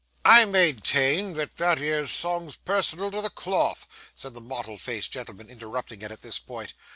'I maintain that that 'ere song's personal to the cloth,' said the mottled faced gentleman, interrupting it at this point.